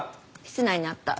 室内にあった。